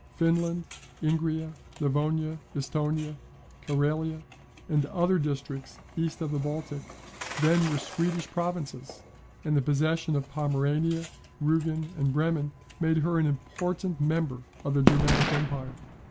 Finland, Ingria, Livonia, Esthonia, Carelia, and other districts east of the Baltic, then were Swedish provinces; and the possession of Pomerania, Rugen, and Bremen, made her an important member of the Germanic empire.